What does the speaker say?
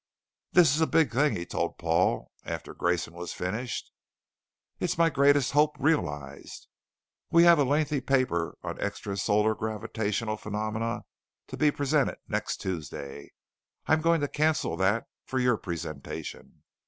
"This is a big thing," he told Paul after Grayson was finished. "It is my greatest hope realized." "We have a lengthy paper on extra solar gravitational phenomena to be presented next Tuesday. I am going to cancel that for your presentation."